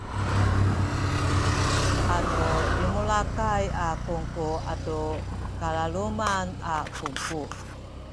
anu limulakay a kungku atu kalaluman a kungku